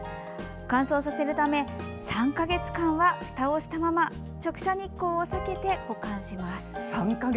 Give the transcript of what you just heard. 乾燥させるため３か月間は、ふたをしたまま直射日光を避けて保管します。